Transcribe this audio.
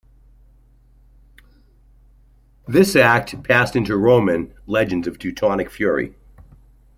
This act passed into Roman legends of Teutonic fury.